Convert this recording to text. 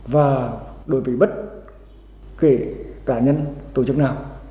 và đối với bất kể cá nhân tổ chức nào